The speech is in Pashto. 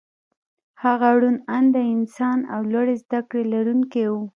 هغه روڼ انده انسان او لوړې زدکړې لرونکی و